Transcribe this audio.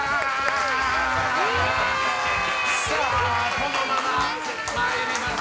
このまま参ります。